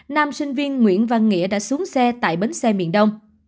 nam sinh viên nguyễn văn nghĩa đã xuống xe tại bến xe miền đông